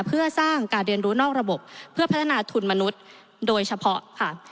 เพื่อสร้างการเรียนรู้นอกระบบเพื่อพัฒนาทุนมนุษย์โดยเฉพาะค่ะ